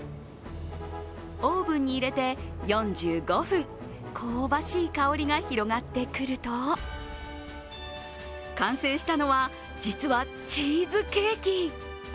オーブンに入れて４５分、香ばしい香りが広がってくると完成したのは実はチーズケーキ。